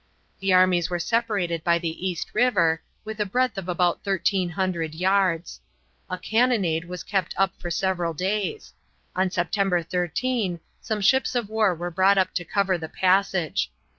The armies were separated by the East River, with a breadth of about thirteen hundred yards. A cannonade was kept up for several days. On September 13 some ships of war were brought up to cover the passage.